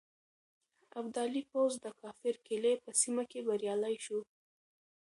ابدالي پوځ د کافر قلعه په سيمه کې بريالی شو.